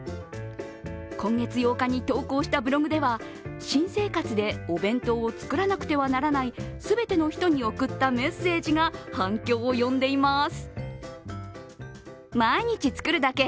今月８日に投稿したブログでは新生活でお弁当を作らなくてはならない全ての人に送ったメッセージが反響を呼んでいます。